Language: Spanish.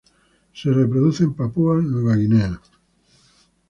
Se reproduce en Papúa Nueva Guinea.